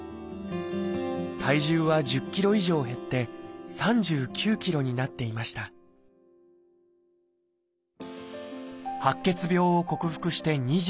体重は１０ｋｇ以上減って３９ｋｇになっていました白血病を克服して２５年。